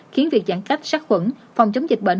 khiến việc giãn cách sát khuẩn phòng chống dịch bệnh